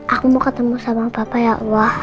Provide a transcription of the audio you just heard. aku mau ketemu sama papa ya allah